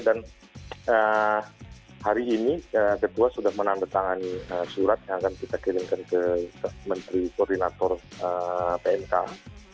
dan hari ini ketua sudah menandatangani surat yang akan kita kirimkan ke menteri koordinator pmkm